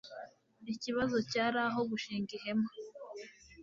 Ikibazo cyari aho gushinga ihema